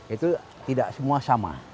itu tidak semua sama